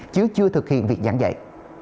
chứ chưa thực hiện việc giảng dạy